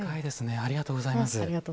ありがとうございます。